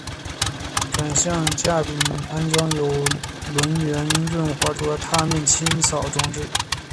转向架并安装有轮缘润滑装置和踏面清扫装置。